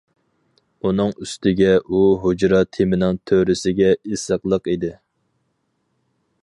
ئۇنىڭ ئۈستىگە ئۇ ھۇجرا تېمىنىڭ تۆرىسىگە ئېسىقلىق ئىدى.